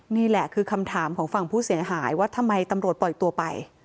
นี่แหละคือคำถามของฝั่งผู้เสียหายว่าทำไมตำรวจปล่อยตัวไป